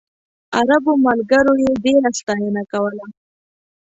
عربو ملګرو یې ډېره ستاینه کوله.